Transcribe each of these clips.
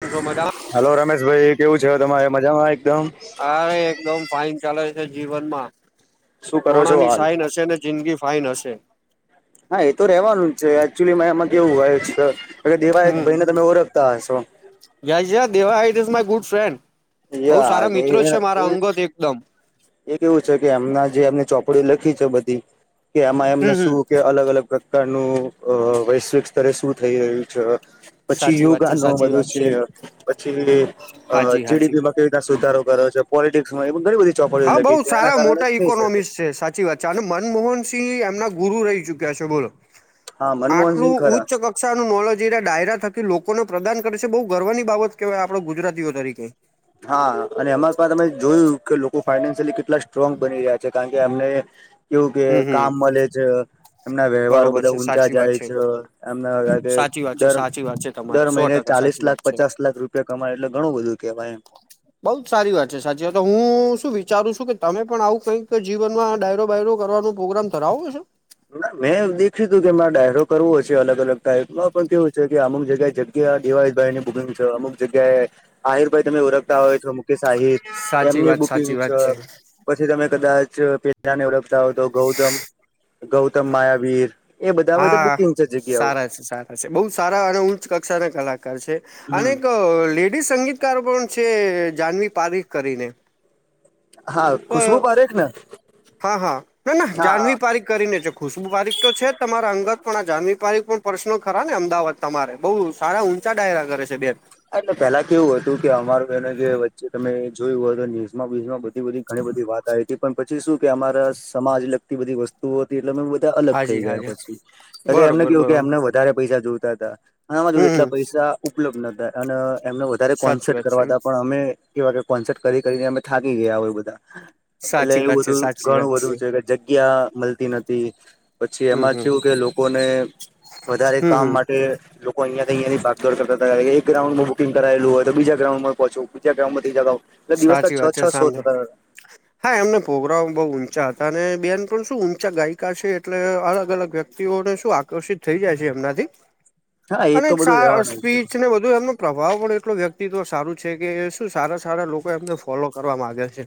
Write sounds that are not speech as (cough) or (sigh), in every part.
કેમ છો મજામાં હલો રમેશભાઈ કેવું છે તમારે મજામાં એકદમ. હા હવે એકદમ ફાઇન ચાલે છે જીવનમાં શું કરો છો (unintelligible) હાલ સાઇન હશે ને. જિંદગી ફાઇન હશે. હા એતો રેવાનું જ છે એકચુલીમાં એમાં કેવું હોય છે દેવાયતભાઈને તમે ઓળખતા હશો (unintelligible) Devayat is my good friend બઉ યા સારા કે મિત્રો છે મારા એ અંગત એકદમ એ કેવું છે કે એમના જે એમને ચોપડી લખી છે બધી કે એમાં હમ એમને હમ શું કે અલગ અલગ પ્રકારનું અ વૈશ્વિક સ્તરે શું થઈ રહ્યું છે. પછી સાચી વાત છે યોગાનો સાચી બધુ વાત છે પછી અ હાજી હાજી જીડીપી મા (unintelligible) સુધારો કરે છે પોલિટિકસમાં એમ ઘણી બધી ચોપડીઓ હા બઉ લખી છે એના સારા કારણે મોટા જ થઈ શકે ઈકોનોમિકસ છે સાચ સાચી વાત છે અને મનમોહનસિંહ એમના ગુરુ રહી ચુક્યા છે બોલો હા આટલું મનમોહનસિંહ ખરા ઉચ્ચ (inaudible) કક્ષાનું નોલોજ એ ડાયરા થકી લોકોને પ્રદાન કરે છે બહુ ગર્વની બાબત કેહેવાય આપડે ગુજરાતીઓ તરીકે હા અને એમાં પણ તમે જોયું કે લોકો ફાઈનાન્સિયલી કેટલા સ્ટ્રોંગ બની રહ્યા છે કારણ કે કે એમને કેવું કે હમ હમ કામ મળે છે. એમના વ્યવહારો બરોબર બધા છે ઊંચા સાચી વાત જાય છે એમના સાચી વાત (unintelligible) છે દર સાચી વાત છે દર તમારી સો મહિને ટકા ચાલીસ સાચી લાખ વાત છે પચાસ લાખ રૂપિયા કમાય એટલે ઘણું બધું કેહેવાય એમ બઉ જ સારી વાત છે સાચી વાત છે તો હું શું વિચારું છું કે તમે પણ આવું કંઈક જીવનમાં ડાયરો બાયરો કરવાનો પ્રોગ્રામ ધરાવો છો. મેં દેખ્યું તું કે મારે ડાયરો કરવો છે અલગ અલગ ટાઈપનો પણ કેવું છે કે અમુક જગ્યાએ જગ્યા કે આ દેવાયતભાઈ બુકિંગ છે અમુક જગ્યા એ આહિરભાઈ તમે ઓળખતા હોય તો મુકેશ આહિર સાચી એમની વાત બુકિંગ સાચી વાત છે. પછી તમે કદાચ પેલાને ઓળખતા હોય તો ગૌધમ ગૌતમ માયાવીર એ બધા બધા બુકિંગ છે જગ્યાઓ બઉં સારા અને ઉચ કક્ષાના કલાકાર છે હમ આનેક એ સંગીતકારો પણ છે જાનવી પારીખ કરીને હા અ ખુશ્બુ પારેખ ને હા હા ના ના હા જાનવી પારીક કરીને છે ખુશબુ પારીખ તો છે તમારા અંગત પણ આ જાનવી પારીખ પણ પર્સનલ ખરા ને અમદાવાદ તમારે બહુ સારા ઊંચા ડાયરા કરે છે બેન આ તો પેલા કેવું હતું કે અમારું એને જે વચ્ચે તમે જોયું હોયતો ન્યુઝ બીજમાં બધી બધી ઘણી બધી વાત આવી હતી પણ પછી શું કે અમારા સમાજ લગતી બધી વસ્તુ તુ હતી એટલે મે બધા અલગ થઈ હાજી ગયા હાજી પછી કાકે બરોબર એમને બરોબર કેવું કે એમને વધારે પૈસા જોતા હતા આમાર જોડે એટલા હમ પૈસા ઉપલબ્ધ નોતા અને એમને વધારે સાચી કોન્સેટ વાત છે કરવા તા પણ અમે એવા કે કોન્સર્ટ કરી કરીને અમે થાકી ગયા હોય, બધા એટલે સાચી એવું વાત છે બધું સાચી વાત ઘણું બધું છે કે જગ્યા મળતી નથી. પછી હમ એમાં હમ ચેવુ કે લોકોને, વધારે હમ કામ હમ માટે લો અયા ત્યાં થી ભાગદોડ કરતા હતા, એક ગ્રાઉડમાં બુકિંગ કરાયેલુ હોય, તો બીજા ગ્રાઉન્ડમાં પહોંચવું, બીજા ગ્રઉન્ડમાંથી ત્રીજા એટલે દિવસના સાચી વાત છે છ-છ શૉ સામે થતા તા. હા, એમના પ્રોગ્રામ બહુ ઊંચા હતા અને બેન પણ શું ઊંચા ગાયિકા છે, એટલે અલગ-અલગ વ્યક્તિ તિઓને શું આકર્ષિત થઈ જાય છે, એમનાથી (inaudible) અને તો બધું સાર અને રેવાનું છે સ્પીચ ને બધું એમનું પ્રભાવ પડે એટલો વ્યક્તિત્વ સારું છે કે શું સારા-સારા લોકો એમને ફોલો કરવા માંગે છે.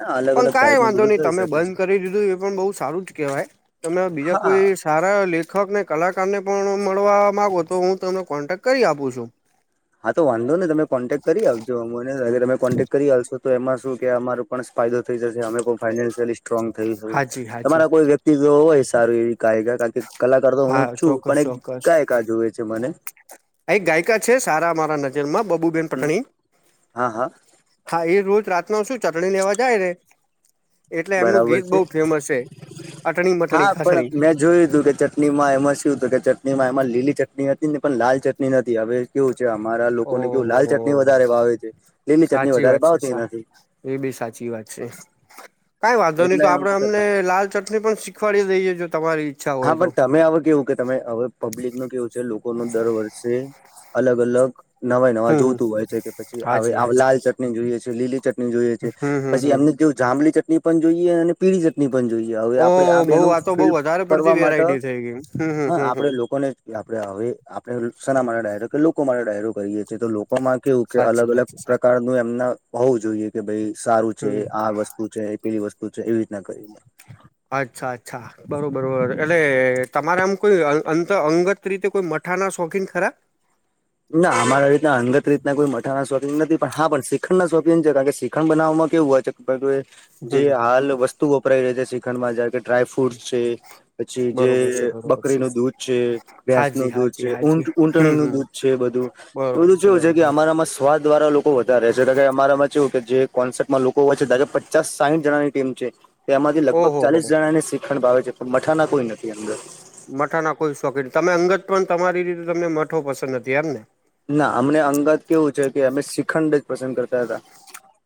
હા અલગ પણ અલગ કાઈ ટાઈપનું વાંધો બધું નહી, થઈ તમે શકે છે બંધ કરી દીધું એ પણ બહુ સારું જ કહેવાય. તમે આ બીજા હા કોઈ સારા લેખકને, કલાકારને પણ મળવા માગો તો, હું તમને કોન્ટેક કરી આપું છું. હા, તો વાંધો નય તમે કોન્ટેક્ટ આપજો, મને વહેલા તકે કોન્ટેક્ટ કરી આલશો. તો એમાં શું કે અમારો પણ ફાયદો થઈ જશે, અમે પણ ફાઈન્શયલી સ્ટ્રોંગ થઈ, હાજી હાજી તમારા કોઈ વ્યક્તિ ક્તિ જો હોય સારી એવી ગાયિકા કારણ કે, કલાકાર તો હું હા છું પણ ચોક્કસ એક ચોક્કસ આ ગાયિકા જોવે છે, મને એક ગાયિકા છે સારા મારા નજરમાં, બબુબેન હમ પટણી હા હા હા, એ રોજ રાતના શું ચટણી લેવા જાય ને એટલે એમનું બરાબર ગીત છે બહુ ફેમસ છે, અટણી, હા મટણી, પણ ખસણી મેં જોયું તું કે ચટણી માં એમાં શું હતું કે, ચટણીમાં એમાં લીલી ચટણી હતી ને, પણ લાલ ચટણી નતી હવે એવું છે અમારા લોકોને કેવું લાલ ચટણી ઓહ વધારે ભાવે છે, લીલી ચટણી સાચી વધારે વાત છે ભાવતી સા નથી. એ બી સાચી વાત છે, કઈ વાંધો નહી એટલે તો એ આપડે કરતા એમને લાલ ચટ ને પણ શીખવાડી દઈએ છ, તમારી ઈચ્છા હા, હોય તો પણ તમે હવે કેવું કે તમે હવે પબ્લિક નું કેવું છે લોકો નું દર વર્ષે અલગ-અલગ નવાઈ નવા હમ હમ જોતું હોય છે કે, પછી આવે હાજી હાજી લાલ ચટણી જોઈએ છે, લીલી ચટણી જોઈએ છે, હમ હમ પછી હમ એમને કેવું જાબલી ચટણી પણ જોઈએ અને પીળી ચટણી પણ જોઈએ. હવે ઓ.. આપડે હો.. બેનું આ તો બઉ ફિલ વધારે કરવા પડતી વેરાઈટી થઈ ગઈ, હમ્મ, હમ્મ, હમ્મ લોકો ને આપણે હવે, આપણે હવે શેના માટે ડાયરો કે લોકો માટે ડાયરો કરીએ છીએ, તો લો માં કેવું કે સાચી વાત અલગ-અલગ છે સાહેબ પ્રકાર નું એમના હોવું જોઈએ કે ભાઈ સારું છે, હમ આ વસ્તુ તો છે પેલી વસ્તુ છે, એવી રીતના કરીયે. અચ્છા-અચ્છા બરોબર રોબર એટલે તમારા આમ કોઈ અંત અંગત રીતે કોઈ મઠા ના શોખીન ખરા ના, અમારા રીતના અંગત રીતના કોઈ મઠાના શોખીન નથી, પણ હા પણ શ્રીખંડ ના શોખીન છે, કારણ કે, શ્રીખન બનાવવાવામાં કેવું હોય છે. બરોબર, જે હમ હાલ વસ્તુ વપરાય રહી છે, શ્રીખંડ માં જેમ કે ડ્રાયફ્રૂટ છે. પછી જે બરોબર છે બરોબર છે બકરીનું દૂધ છે, ભેંસ હાજી નું દૂધ હાજી છે, હાજી ઊટ, હમ ઊંટણીનું હમ દૂધ છે બધું, બરોબર એવું ચેવુ છે કે બરોબર અમાર આમા સ્વાદ વારા લોકો વધારે છે, કારણ કે અમારા માં ચેવું કે જે કોન્સેપ્ટમાં લોકો હોય છે, પચાસ સાહીઠ જણાની- ટીમ છે, તેમાંથી લગભગ ઓહો હો ચાલીસ જણાને શીખણ ભાવે છે, પણ મઠાના કોઈ નથી અંદર મઠા ના કોઈ શોખીન, તમે અંગત પણ તમારી રીતે તમને મઠો પસંદ નથી, એમ ને ના, અમને અંગત કેવું છે કે અમે શ્રીખંડ જ પસંદ કરતા હતા.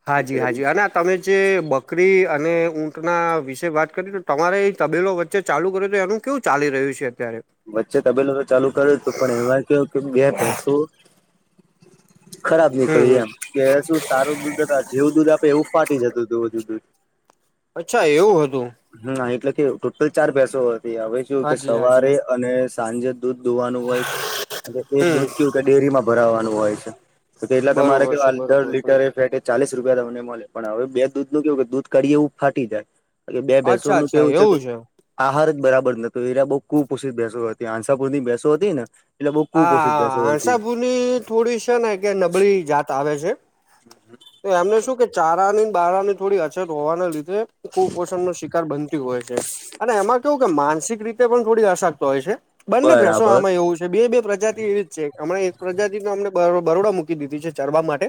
હાજી, હાજી અને તમે જે બકરી અને ઊંટના વિશે વાત કરી તો, તમારે એ તબેલો વચ્ચે ચાલુ કરો તો એનું કેવું ચાલી રહ્યું છે અત્યારે? વચ્ચે તબેલો તો મે ચાલુ કર્યો હતું, પણ એમા કેવુ કે બે બેસો ખરાબ હમ નીકળ્યા, હમ એમ કે શું સારું દૂધ ના, જેવું દૂધ આપે એવું ફાટી જતું હતું ધું દૂધ. અચ્છા એવું હતું. હા, એટલે કે ટોટલ ચાર બેસો હતી હવે જો કે હાજી હાજી સવારે અને સાંજે દૂધ દુવાનું હોય છે, અને એક હમ દૂધ કેવું કે ડેરીમાં ભરાવાનું હોય છે. તો એટલા તમારે બરોબર છે કેવાયે દર બરોબર છે લીટર પેકેટ ચાલીસ રૂપિયા તમને મળે, પણ હવે બે દૂધ નું કેવું કે દૂધ કઢીએ એવું ફાટી જાય. અને બે અચ્છા ભેસોનું અચ્છા કેવું છે કે એવું આહારજ બરાબર નહતો, એરા બહુ કુપોષિત બેસો હતી, હાસાપુર ની બેસો હતી ને. એટલે બહુ કુપપોષિત બેસો હતી. ની થોડી સેને કે નબળી જાત આવે છે. (inaudible) તો એમને શું કે ચારાની બારાની થોડી અછત હોવાના લીધે, કુપોષણનો શિકાર બનતી હોય છે. અને એમાં કેવું કે માનસિક રીતે પણ થોડી અશક્ત હોય છે, બંને ભેંસો બરાબર આમાં એવું છે, બે બે પ્રજાતિ એવીજ છે, હમણા એક પ્રજાતિ અમને બરો બરોડા મૂકી દીધી છે, ચરવા માટે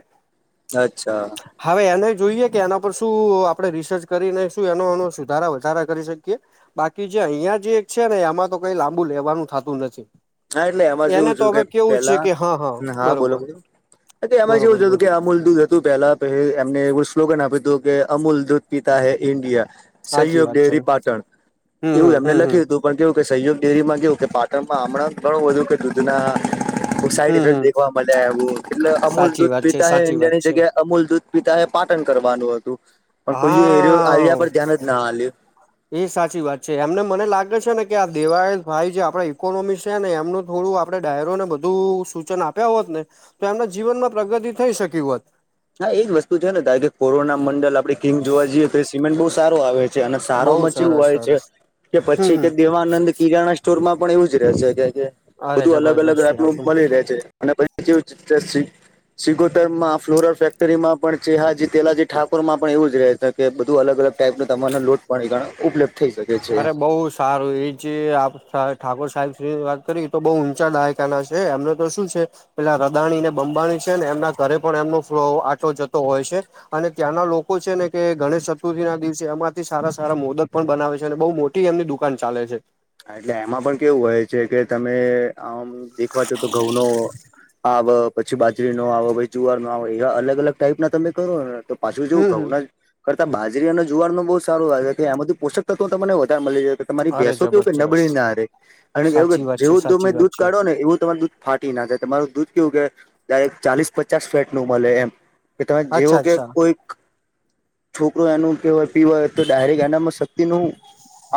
અચ્છા. હવે એને જોઈએ કે એના પર શું આપણેે રિસર્ચ કરીને શું એનો નો સુધારા વધારા કરી શકીએ. બાકી જે અહિયાં જે એક છેને, એમાં તો કઈ લાંબુ લેવાનું થતું નથી. હા, એટલે એમાં એને જેવું તો થું કે હવે કેવું છે પેલા, કે હા હા બોલો બરોબર બોલો એમાં જેવું બરોબર હતું બ કે આમૂલ દૂધ તુ પેલા એમને એવું સ્લોગન આપ્યું હતું, કે અમૂલ દૂધ પીતા હે ઇન્ડિયા. સાચી સહયોગ વાત છે ડેરી પાટણ, હમ એવું હમ એમને હમ હમ લખ્યું હતું. પણ કેવુંકે, સહયોગ ડેરીમાં કેવુંકે, પાટણમાં હમણાં ઘણું બધું કે દૂધના બો સાઈડ હમ ઇફેક્ટ હમ દેખવા મલ્યા એવું, એટલે અમૂલ સાચી દૂધ વાત છે પીતા હે સાચી વાત ઇન્ડિયાની છે જગ્યા એ અમૂલ દૂધ પિતા હે પાટન કરવાનું હતું, પણ કોઈએ એયરો આઈડિયા હા પર ધ્યાન જ ના હાલ્યું. એ સાચી વાત છે, એમને મને લાગે છે ને કે આ દેવાય ભાઈ જે આપડા ઈકોનોમી છે ને એમનું થોડું આપણે ડાયરોને બધું સૂચન આપ્યા હોતને, તો એમના જીવનમાં પ્રગતિ થઈ શકી હોત. હા એજ વસ્તુ છેને, ડાયરેક કોરોના મંડલ આપડે કિંગ જોવા જઈએ, તો એ સિમેન્ટ બહુ સારો આવે છે. છે, અને સારો બઉુ મચ એવું સરસ હોય છે, સરસ કે હમ પછી હમ કે દેવાનંદ કિરાણા સ્ટોરમાં પણ એવું જ રહે છે, કે જે અરે બધું અલગ અલગ જબરજસ્ત છે. (unintelligible) મળી રહે છે. (inaudible) ફેક્ટરીમાં પણ ચેહાજી તેલાજી ઠાકોરમાં પણ એવું જ રહે છે, કે બધું અલગ અલગ ટાઈપનો તમને લોટ પણ ઈ ઘણા ઉપલબ્ધ થઈ શકે. છે એમ અરે બઉુ સારું એ જે આપકા ઠાકોર સાહેબ શ્રીની વાત કરી, તો બહુ ઊંચા દાયકાના છે, એમને તો શું છે પેલા રદાણી ને બંબાણી છે, ને એમના ઘરે પણ એમનો ફલો આટો જતો હોય છે. અને ત્યાંના લોકો છે ને, કે ગણેશ ચતુર્થી ના દિવસે એમાંથી સારા સારા મોદક પણ બનાવે છે. અત્યારે બહુ મોટી એમની દુકાન ચાલે છે. એટલે એમાં પણ કેવું હોય છે કે તમે આમ દેખવા છો તો ઘઉંનો આવ પછી, બાજરી નો આવ, પછી જુવાર નો આવ, એવા અલગ અલગ ટાઈપ ના કરોને તો પાછુ જેવુ હમ હમ ઘઉંનાજ કરતા બાજરી અને જુવાર નો બહુ સારું આવેે છે, કે આમાંથીું પોષક તત્વો તમને વધારે મળી જાય, તમારી અરે ભેસો નબળી જબરજસ્ત ના રેય, અને જેવું કે સાચી વાત છે જેવું તમે સાચી વાત દૂધ છે કાઢો ને એવું તમાર દૂધ ફાટી ના જાય, તમારું દૂધ કેવું કે દાયરેક ચાલીસ પચાસ ફેટ નું મલે એમ. કે તમે જેવો અચ્છા કે અચ્છા કોઈક છોકરો એનું કેવાય પીવાય તો ડાયરેક્ટ એનામાં શક્તિ ન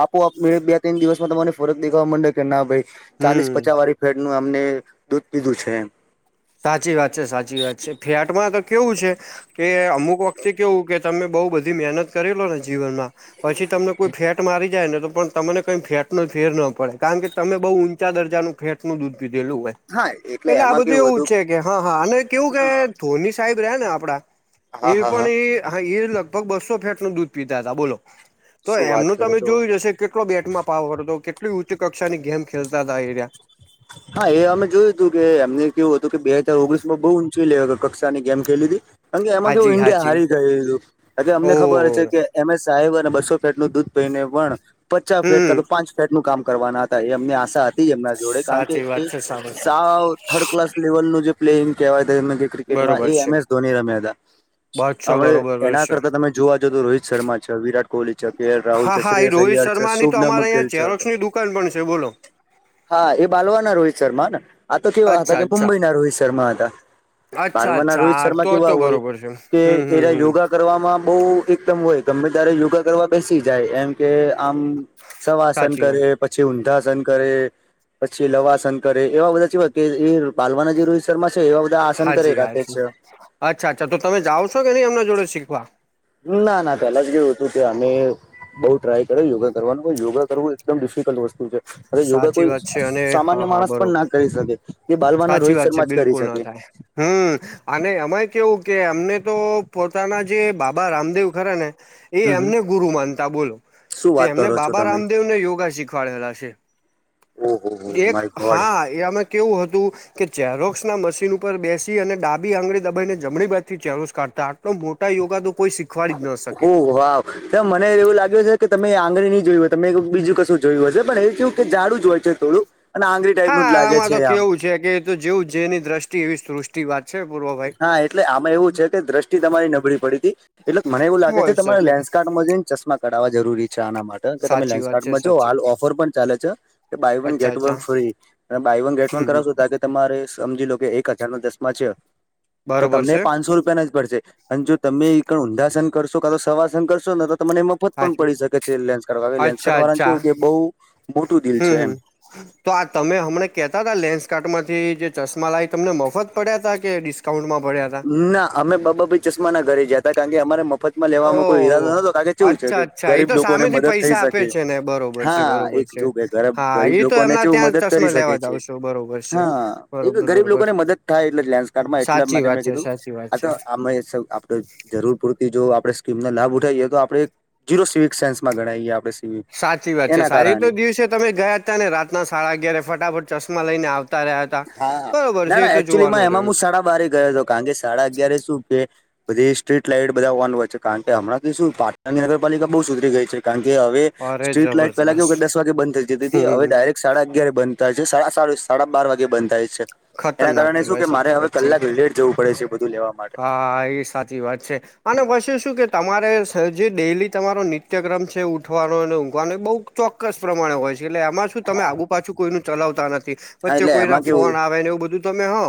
આપોઆપ મે બે તેઈન દિવસમાં તમને ફરક દેખવા માંડે કે ના ભાઈ ચાલીસ હમ પચાસ વાળી ફેટનું નું અમને દૂધ પીધું છે એમ. સાચી વાત છે, સાચી વાત છે, ફ્લેટ માં તો કેવું છે કે અમુક વખતે કેવું કે તમે બઉ બધી મહેનત કરીલો ને જીવનમાં પછી તમને કોઈ ફેટ મારી જાય ને તો પણ કંઈ ફેટ ન ફેર ન પડે, કારણ કે તમે બહુ દર્જાનું ફેટ નું દૂધ પીધેલું હોય. હાય એટલે આ એમાં બધું કેવું એવું હતુ છે કે હા-હા અને કેવું કે ધોની સાહેબ રહે ને આપડા એ હા હા પણ હા એ હા એ લગભગ બસ્સો ફેટ નું દૂધ પીતા હતા બોલો, તો શું વાત એમનું કરો તમે છો જોયું જ હશે કેટલો બેટમાં પાવર હતો, કેટલી ઉચ્ચ કક્ષાની ગેમ ખેલતા હતા એયરીયા. હા, એ અમે જોયું હતું કે એમને કેવું હતું કે બે હજાર ઓગણીસ માં બહુ ઊંચી લે કક્ષાની ગેમ ખેલી હતી. કારણ કે એમાં કેવું હાજી ઈન્ડિયા હાજી હારી ગયુહતું કારણ કે અમને ઓ ખબર છે કે એમ એસ સાહેબ અને બસો ફેટ નું દૂધ પીઈને પણ પચાસ ફેટ કા હમ તો પાંચ ફેટ નું કામ કરવાના હતા એમ. અમને આશા હતી એમના જોડે કારણ કે સાચી એ વાત છે સારું સા વ થર્ડ ક્લાસ લેવલ નું જે પ્લેંગ કેવાય તે ક્રિકેટમાં બરોબર એ છે એમ એસ ધોની રમ્યા હતા. બસો હવે બરોબર એના છે કરતા તમે જોવા જો તો રોહિત શર્મા છે વિરાટ કોહલી છે કે એલ રાહુલ હા છે હા એ શ્રેયસ રોહિત અયર છે શર્માની તો અમારે શુભનમ ગિલ અહીંયા છ. ચેરોક્સની દુકાન પણ છે બોલો હા, એ બાલવા ના રોહિત શર્મા ને, આ તો કેવા હતા અચ્છા કે અચ્છા મુંબઈના રોહિત શર્મા હતા. અચ્છા બાલમા ના અચ્છા રોહિત હા શર્મા તો કેવા તો હોય બરોબર છે કે હમ હમ એયરા હમ યોગા કરવામાં બહુ એકદમ હોય ગમે તારે યોગા કરવા બેસી જાય એમ કે આમ સવાસન સાચી કરે, વાત પછી ઊંધાસન કરે પછી લવાસન કરે, એવા બધા જેવાય કે એ બાલવાના જે રોહી ત શર્મા છે એવા બધા આસન કરી હાજી રાખે હાજી છે. અચ્છા- અચ્છા તો તમે જાઓ છો કે નહીં એમના જોડે શીખવા. ના- ના પેલા જેવું હતું તે અમે બઉ ટ્રાય કરે યોગા કરવાનું પણ યોગા કરવું એકદમ ડિફિકલ્ટ વસ્તુ છે. યોગા સાચી કોઈ વાત છે અને સામાન્ય હા હા માણસ પણ બરોબર ના કરી શકે. એ બાલમાં ના સાચી રોહિત વાત છે શર્મા જ કરી બિલકુલ ના શકે. થાય હમ અને આમાંય કેવું કે અમને તો પોતાના જે બાબા રામદેવ ખરા ને, એ હમ હમ અમને ગુરુ માનતા બોલો. શું તે વાત અમને કરો છો બાબા તમે રામદેવ ને યોગા શીખવાડેલા છે. ઓહો હો એક માય ગોડ હા એ એમાં કેવું હોત. તું કે ચેરોક્સ ના મશીન ઉપર બેસી, અને ડાબી આંગળી દબાઈને જમણી બાજ થી ચેરોક્સ કાઢતા. પન મોટા યોગા તો કોઈ શી હો, વાવ તો મને એવું લાગ્યું છે કે તમે આંગળી નહી જોય હોય, તમે બીજું કશું જોયું હશે, પણ એ કેવું કે જાડું જ હોય છે થોડું અને આંગળી ટાઈપનું જ હા લાગે આમાં છે તો આમ. કેવું છે કે જો જેવું જેની દ્રષ્ટિ એવી સૃષ થી વાત છે પોરવા હા, એટલે આમાં એવું છે કે દ્રષ્ટિ તમારી નબળી પડી હતી. એટલે મને એવું લાગે છે હોય તમારે શકે લેન્ડસ્કાર્ડમાં જઈને ચશ્મા કાઢવા જરૂરી છે. અચ્છા આના માટે કે તમે સાચી વાત લેન્સકાર્ટ છે માં જોવો, સાચી હાલ ઓફર પણ ચાલે છે કે બાય વન અચ્છા ગેટ વન અચ્છા ફ્રી. અને બાય વન ગેટ વન હમ હમ કરાવશો, તો આજે તમારે સમજી લો કે એક હજાર નો દસમાં છે. તો બરોબર તમને છે. પાંચસો રૂપિયા ના જ પડશે. અન જો તમે એકડ ઊંધાસન કરશો કા તો સવાસન કરશો ન તો તમને એમાં પત પણ સાચું. પડી શકે છે લેન્સકાડ હવે અચ્છા લેન્સકાર્ટ અચ્છા વાળાનું કે બહુ મોટું દિલ છે હમ એમ. હમ તો આ તમે હમને કેતા હતા લેન્સ કાર્ટમાંથી જે ચશ્મા લાય તમને મોફત પડ્યા તા કે ડિસ કાઉન્ટમાં પડીયા તા. ના અમે બબાભાઈ ચશ્માના ઘરે જયા હતા કારણ કે અમારે મફત માં લેવામાં કોઈ ઈરાદો ઓહ નતો કારણ કે ચેવું છે અચ્છા કે અચ્છા એ ગરીબ તો લોકોને સામેથી મદદ થઈ પૈસા શકે. આપે છે ને બરોબર છે હા એ બરોબર જો છે બેન ગરબ હા ગરીબ એ તો લોકોને એમના જેવું ત્યાં મદદ કરી ચશ્મા શકે લેવા છે. જાવ છો બરોબર છે હા, એતો બરોબર ગરીબ બરોબર લોકોને મદદ થાય એટલે લેન્સ કાર્ડમાં એટલા સાચી માટે વાત મેં છે કીધું સાચી વાત આ છે તો આ (unintelligible) જરૂર પૂરતી જો આપડે સ્કીમનો લાભ ઉઠાઇયે એ તો આપડે જીરો સિવિક સેન્સમાં ગણાઇયે આપણે સ સાચી વાત છે સારી તો દિવસે તમે ગયા. તા ને રાતના સાડા અગિયારે ફટાફટ ચશ્મા લઈને આવતા રહ્યાત. હા, ના-ના એકચુલીમાં એમાં એમા મું સાડા બારે ગયો હતો કારણ કે સાડા અગિયાર શું કે બધી સ્ટ્રીટ લાઈટ બધા હોવાનું હોય છે, કારણ કે હમણાંથી શું પાટણની નગરપાલિકા બહુ સુધરી ગઈ છે કારણ કે હવે અરે સ્ટ્રીટ લાઈટ પેલા જબરજસ્ત કેવું દસ વાગે બંધ થઈ જતી હતી. હવે હમ ડાયરેક્ટ સાડા અગિયારે બંધ થાય છે સાડા સાડ સાડા બાર વાગે બંધ થાય છે. એના ખતરનાક કારણે શું કેવાય કે મારે સાચી વાત હવે છે કલાક લેટ જવું પડે છે બધું લેવા માટે હા, એ સાચી વાત છે. અને પછી શું કે તમારે સ જે ડેઈલી તમારો નિત્યક્રમ છે ઊઠવાનો અને ઊંઘવાનો એ બહુ ચોક્કસ પ્રમાણે હોય છે એટલે એમાંજ તો તમે આગુ પાછું કોઈનું ચલાવતા નથી હા વચ્ચે એટલે કોઈ ના એમાં કેવું ફોન આવે ને એવું બધું તમે હો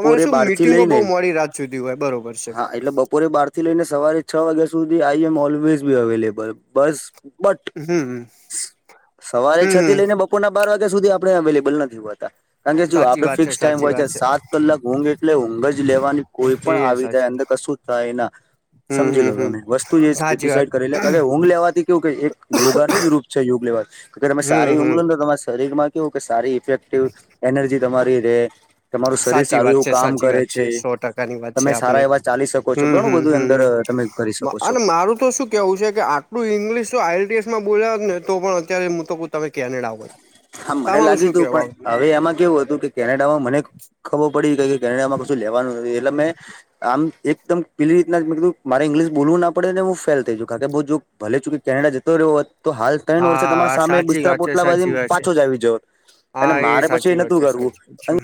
અમારે શું બાર થી મિટિંગો લઈને બહુ મોડી રાત સુધી હોય બરોબર. છે હા, એટલે બપોરે બાર થી લઈને સવારે છ વાગ્યા સુધી I am always be available બસ બટ, હમ સ સવારે છથી હમ લઈને બપ બપોરના બાર વાગ્યા સુધી આપણે અવેલેબલ નથી હોતા. કારણ કે જો સાચી આપડે વાત છે ફિક્સ ટાઈમ સાચી હોય છે વાત સાત કલાક ઊંઘ એટલે ઊંઘ જ લેવાની કોઈ પણ એ આવી જાય સાચી અંદર કશું થાય ના. હમ સમજી હમ લો હમ તમે વસ્તુ જે સાચી વાત ડિસાઈડ કરી ઊંઘ લેવાથી કેવું કે એક યોગાનું જ રૂપ છે યોગ લેવા. અગર તમે હમ સારી ઊધ હમ લો ને તો તમારા શરીર માં કેવું કે સારી ઇફેક્ટિવ એનર્જી તમારી રે. તમારું શરીર સાચી સારું વાત એવું છે કામ સાચી કરે વાત છે. સો ટકાની વાત છે તમે આમ. સારા એવા ચાલી શકો છો ઘણું બધું અંદર તમે કરી શકો છો. (inaudible) તો શું. કેવું છે કે આટલું ઇંગ્લિશ તો ઇટ્સમાં બોલ્યાત ને તો પણ અત્યારે હું તો તમે કેનેડા હોત. હા મને લાગ્યું હતું પણ હવે એમાં કેવું હતું કે કેનેડામાં મને. ખબર પડી ગઈ કેનેડામાં શું લેવાનું નથી એટલે મેં આમ એકદમ પેલી રીતનાજ મે કીધું મારે ઈંગ્લિશ બોલવું ના પડે ને હું ફેલ થઈ જઉ કાકે બો જો ભલે ચુંકે કેનેડા જતો રયો હોત તો હાલ ત્રણ વર્ષે તમારા હા સામે સાચી બિસ્તરા વાત છે પોટલા બાધી સાચી વાત છે પાછો જ આવી જોત હા અને મારે પછી સાચી એ વાત નતું કરવું. (unintelligible)